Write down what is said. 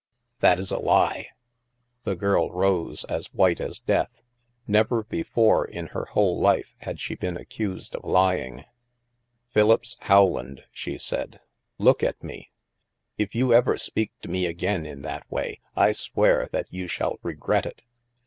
"That is a lie!" The girl rose, as white as death. Never before, in her whole life, had she been accused of lying. THE MAELSTROM 173 " Philippse Howland/' she said, " look at me ! If you ever speak to me again, in that way, I swear that you shall regret it.